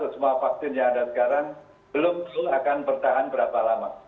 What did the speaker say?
semua vaksin yang ada sekarang belum tahu akan bertahan berapa lama